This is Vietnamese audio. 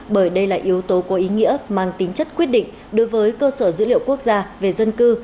bởi đây là yếu tố có ý nghĩa mang tính chất quyết định đối với cơ sở dữ liệu quốc gia về dân cư